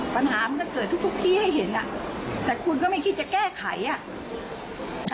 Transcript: ปัญหามันก็เกิดทุกทุกที่ให้เห็นอ่ะแต่คุณก็ไม่คิดจะแก้ไขอ่ะ